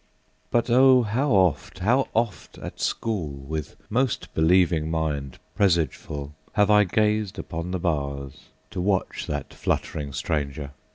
But O! how oft, How oft, at school, with most believing mind, Presageful, have I gazed upon the bars, To watch that fluttering stranger!